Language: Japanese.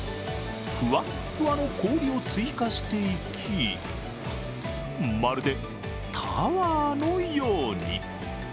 ふわっふわの氷を追加していき、まるでタワーのように。